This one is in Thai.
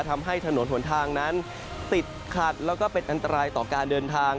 ทำให้ถนนหนทางนั้นติดขัดแล้วก็เป็นอันตรายต่อการเดินทาง